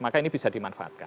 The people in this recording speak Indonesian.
maka ini bisa dimanfaatkan